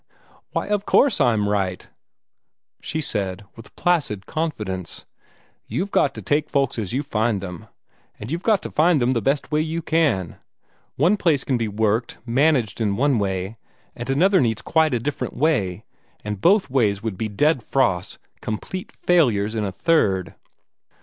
Why, of course I'm right," she said, with placid confidence. "You've got to take folks as you find them; and you've got to find them the best way you can. One place can be worked, managed, in one way, and another needs quite a different way, and both ways would be dead frosts complete failures in a third."